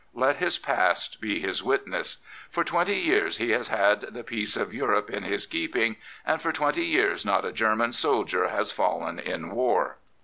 Let his past be his witness. For twenty years he has had the peace of Europe in his keeping and for twenty years not a German soldier has fallen in war.